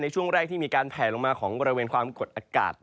ช่วงแรกที่มีการแผลลงมาของบริเวณความกดอากาศ